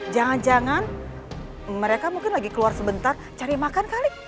jangan jangan mereka mungkin lagi keluar sebentar cari makan kali